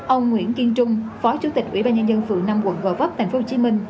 ông nguyễn kiên trung phó chủ tịch ủy ban nhân dân phường năm quận gò vấp tp hcm